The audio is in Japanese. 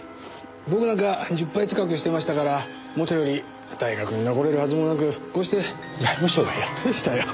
僕なんか十敗近くしてましたからもとより大学に残れるはずもなくこうして財務省がやっとでしたよ。